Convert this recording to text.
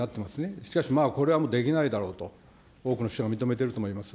しかしまあ、これはできないだろうと、多くの人が認めていると思います。